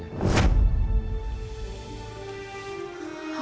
aku mau ke rumah